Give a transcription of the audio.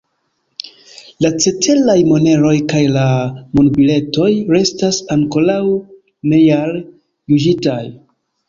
La ceteraj moneroj kaj la monbiletoj restas ankoraŭ nealjuĝitaj.